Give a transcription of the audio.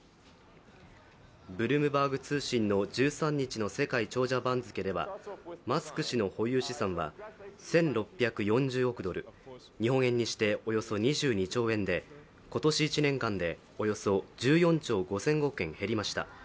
ブルームバーグ通信の１３日の世界長者番付ではマスク氏の保有資産は１６４０億ドル、日本円にしておよそ２２兆円で今年１年間でおよそ１４兆５０００億円減りました。